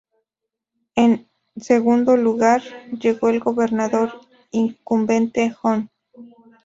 En segundo lugar, llegó el Gobernador incumbente, Hon.